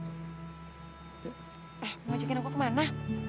ah mau ngajakin aku kemana